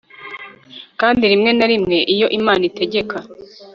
kandi rimwe na rimwe, iyo imana itegeka